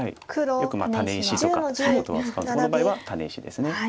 よくタネ石とかって言葉を使うんですがこの場合はタネ石です。